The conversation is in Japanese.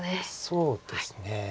そうですね。